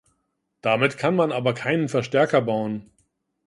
Damit kann man aber keinen Verstärker bauen.